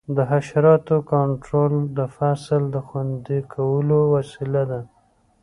د حشراتو کنټرول د فصل د خوندي کولو وسیله ده.